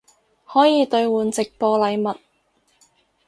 可以兑换直播禮物